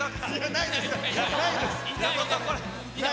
ないです。